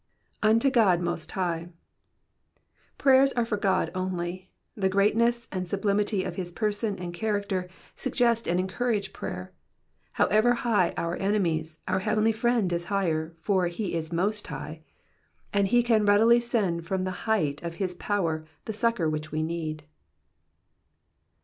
*'^Unto Ood most high''' — Prayers are for God only ; the greatness and sublimity of his person and character suggest and encourage prayer ; however high our eqemies, our heavenly Friend is higher, for he is *^^Mo8t hi^h,''^ and he can readily send from the height of his power the succour which we need.